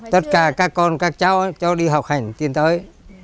tất cả các con các cháu cháu đi học hành tiến tới